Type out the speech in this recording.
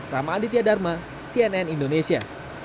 rama aditya dharma cnn indonesia